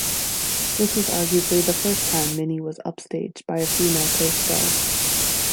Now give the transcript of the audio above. This was arguably the first time Minnie was upstaged by a female co-star.